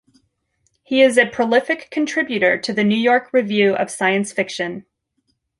He is a prolific contributor to the New York Review of Science Fiction.